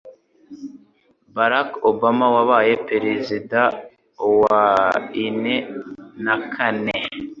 Barack Obama wabaye Perezida wa ine na kane